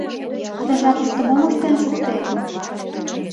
Ты жапыште мом ыштен шуктен?